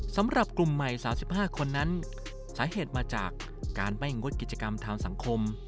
สำหรับกลุ่มใหม่๓๕คนนั้นสาเหตุมาจากการไม่งดกิจกรรมทางสังคม